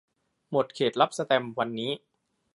หมดเขตรับสแตมป์วันนี้